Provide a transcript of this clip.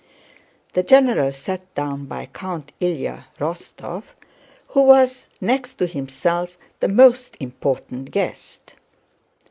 The general sat down by Count Ilyá Rostóv, who was next to himself the most important guest.